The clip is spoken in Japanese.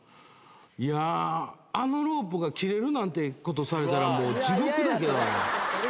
いやー、あのロープが切れるなんてことされたらもう、地獄だけどな。